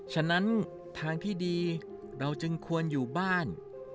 ฉะนั้นทางที่ดีเราจึงควรอยู่บ้าน